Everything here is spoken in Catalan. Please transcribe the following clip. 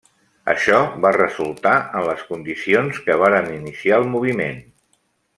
Això va resultar en les condicions que varen iniciar el moviment.